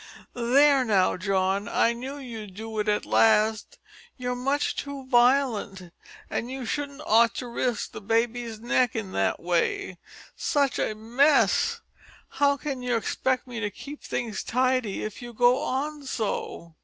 "There now, John, I knew you'd do it at last. You're much too violent, and you shouldn't ought to risk the baby's neck in that way. Such a mess! How can you expect me to keep things tidy if you go on so?"